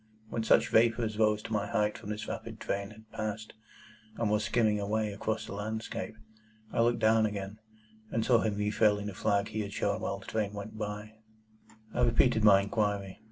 When such vapour as rose to my height from this rapid train had passed me, and was skimming away over the landscape, I looked down again, and saw him refurling the flag he had shown while the train went by. I repeated my inquiry.